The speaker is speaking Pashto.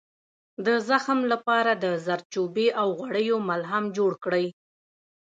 د زخم لپاره د زردچوبې او غوړیو ملهم جوړ کړئ